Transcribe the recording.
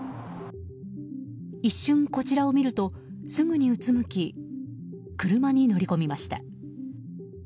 一瞬こちらを見るとすぐにうつむき車に乗り込みました。